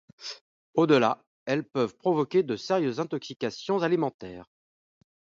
Au-delà, elles peuvent provoquer de sérieuses intoxications alimentaires.